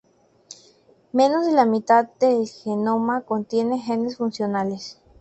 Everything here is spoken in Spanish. Menos de la mitad del genoma contiene genes funcionales.